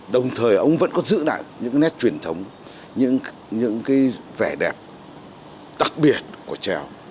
đồng thời ông vẫn có giữ lại những nét truyền thống những cái vẻ đẹp đặc biệt của trèo